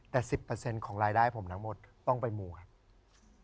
แต่๑๐ของรายได้ผมทั้งหมดต้องไปมูครับ